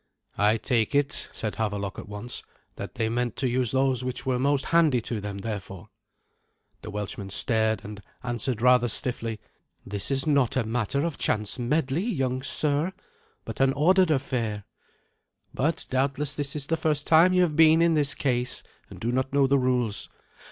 "I take it," said Havelok at once, "that they meant to use those which were most handy to them, therefore." The Welshman stared, and answered rather stiffly, "This is not a matter of chance medley, young sir, but an ordered affair. But doubtless this is the first time you have been in this case, and do not know the rules.